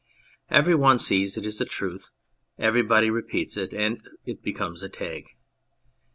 Every one sees it is a truth, everybody repeats it, and it becomes a tag.